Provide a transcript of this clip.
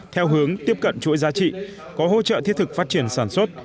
theo hướng tiếp cận chuỗi giá trị có hỗ trợ thiết thực phát triển sản xuất